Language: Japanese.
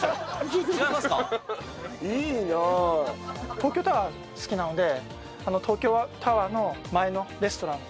東京タワー好きなので東京タワーの前のレストランの。